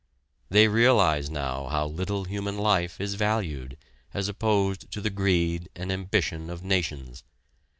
They realize now how little human life is valued, as opposed to the greed and ambition of nations.